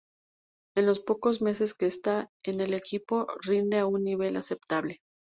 En los pocos meses que está en el equipo, rinde a un nivel aceptable.